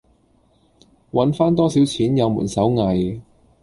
搵番多少錢有門手藝